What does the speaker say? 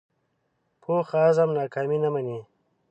پوخ عزم ناکامي نه مني